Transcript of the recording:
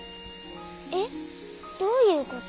えっどういうこと？